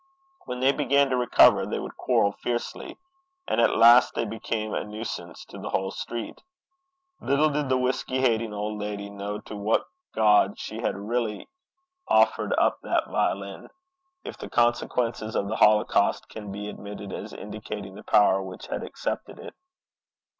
When they began to recover, they would quarrel fiercely; and at last they became a nuisance to the whole street. Little did the whisky hating old lady know to what god she had really offered up that violin if the consequences of the holocaust can be admitted as indicating the power which had accepted it.